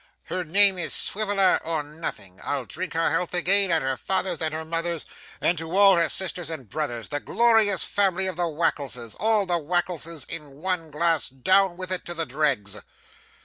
Her name is Swiveller or nothing. I'll drink her health again, and her father's, and her mother's; and to all her sisters and brothers the glorious family of the Wackleses all the Wackleses in one glass down with it to the dregs!